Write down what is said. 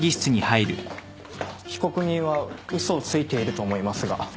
被告人は嘘をついていると思いますが。